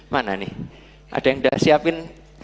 mana nih ada yang tidak siapin